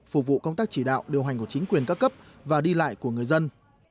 phục vụ công tác chỉ đạo điều hành của chính quyền các cấp và đi lại của người dân